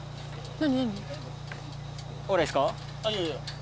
何？